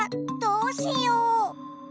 どうしよう！